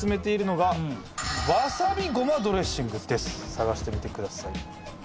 探してみてください。